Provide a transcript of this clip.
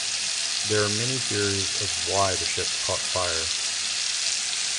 Their are many theories of why the ship caught fire.